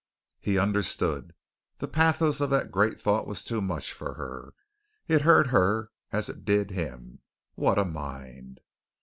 He understood. The pathos of that great thought was too much for her. It hurt her as it did him. What a mind!